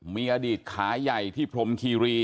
มีอดีตขาใหญ่ที่พรมคีรี